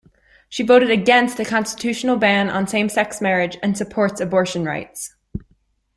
She voted against a constitutional ban on same-sex marriage and supports abortion rights.